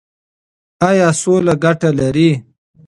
ایا سوله ګټه لري؟